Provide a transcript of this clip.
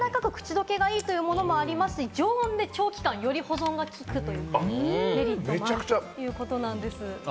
やわらかく口どけがいいというものもありますし、常温で長期間より保存がきくというメリットもあるということなんです。